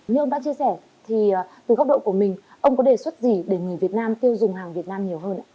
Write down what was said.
như ông đã chia sẻ thì từ góc độ của mình ông có đề xuất gì để người việt nam tiêu dùng hàng việt nam nhiều hơn